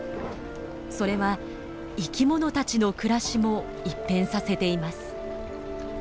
それは生きものたちの暮らしも一変させています。